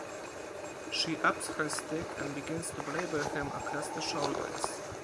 She ups her stick and begins to belabor him across the shoulders.